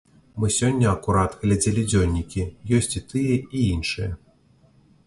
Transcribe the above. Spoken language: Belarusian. Мы сёння акурат глядзелі дзённікі, ёсць і тыя, і іншыя.